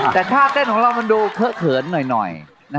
แต่ท่าเต้นของเรามันดูเคอะเขินหน่อย